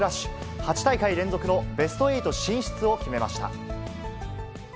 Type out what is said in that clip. ８大会連続のベスト８進出を決めました。